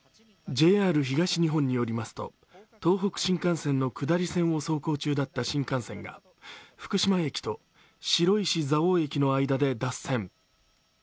ＪＲ東日本によりますと、東北新幹線の下り線を走行中だった新幹線が福島駅と白石蔵王駅の間で脱線。